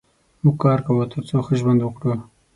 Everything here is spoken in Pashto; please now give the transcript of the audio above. موږ کار کوو تر څو ښه ژوند وکړو.